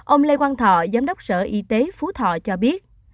ông lê quang thọ giám đốc sở y tế phú thọ cho biết